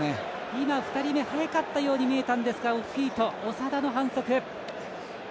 今、２人目速かったように見えたんですがオフフィート、長田の反則。